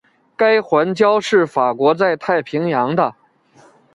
该环礁是法国在太平洋的。